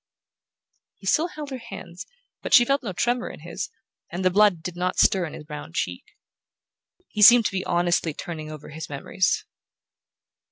He still held her hands, but she felt no tremor in his, and the blood did not stir in his brown cheek. He seemed to be honestly turning over his memories.